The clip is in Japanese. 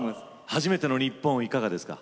初めての日本いかがですか？